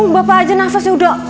bapak aja nafasnya udah